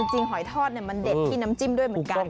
หอยทอดมันเด็ดที่น้ำจิ้มด้วยเหมือนกัน